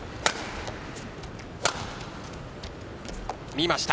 見ました。